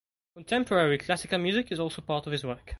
Contemporary classical music is also part of his work.